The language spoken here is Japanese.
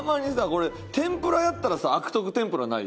これ天ぷらやったらさ悪徳天ぷらない？